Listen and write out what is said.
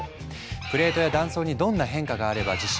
プレートや断層にどんな変化があれば地震が起こるのか？